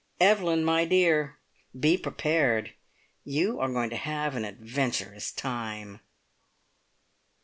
"Evelyn, my dear, be prepared! You are going to have an adventurous time!"